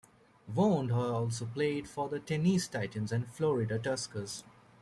Wand also played for the Tennessee Titans and Florida Tuskers.